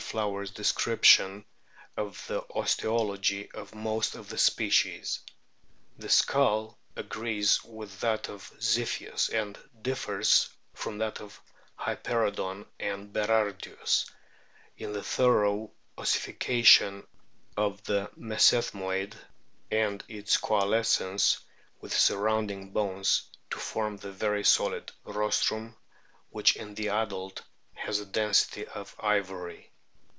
Flower's descrip tion of the osteology of most of the species. The skull agrees with that of Zip kins, and differs from that of Hyperoodon and Berardiiis in the thorough ossification of the mesethmoid, and its coalescence with surrounding bones to form the very solid rostrum, which in the adult has the density of ivory.